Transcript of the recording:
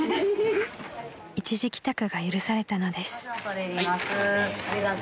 ［一時帰宅が許されたのです］